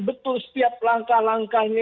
betul setiap langkah langkahnya